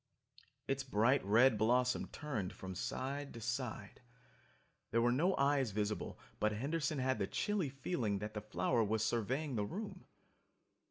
Its bright red blossom turned from side to side. There were no eyes visible but Henderson had the chilly feeling that the flower was surveying the room.